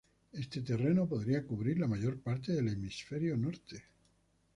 Este terreno podría cubrir la mayor parte del hemisferio Norte.